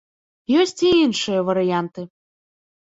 Ёсць і іншыя варыянты.